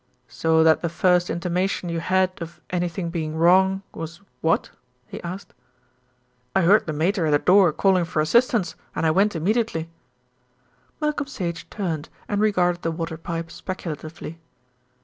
"So that the first intimation you had of anything being wrong was what?" he asked. "I heard the Mater at her door calling for assistance, and I went immediately." Malcolm Sage turned and regarded the water pipe speculatively.